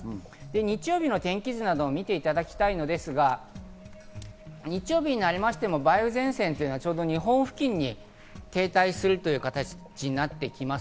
日曜日の天気図などを見ていただきたいのですが日曜日になりましても梅雨前線がちょうど日本付近に停滞するという形になってきます。